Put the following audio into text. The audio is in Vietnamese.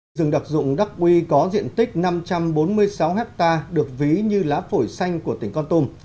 rừng đặc dụng đắc quy có diện tích năm trăm bốn mươi sáu hectare được ví như lá phổi xanh của tỉnh con tum